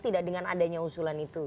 tidak dengan adanya usulan itu